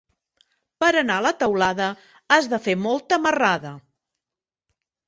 Per anar a Teulada has de fer molta marrada.